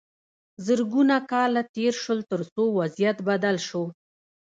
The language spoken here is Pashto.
زرګونه کاله تیر شول تر څو وضعیت بدل شو.